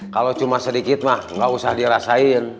kalau cuma sedikit mah gak usah dirasain